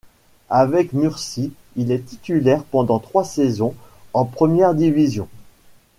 Avec Murcie il est titulaire pendant trois saisons en première division.